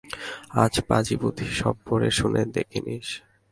আজ পাঁজি-পুঁথি সব পড়ে শুনে দেখে নিস।